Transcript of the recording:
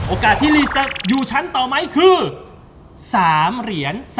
โอกาสที่ลีสเตอร์อยู่ชั้นต่อไหมคือ๓เหรียญ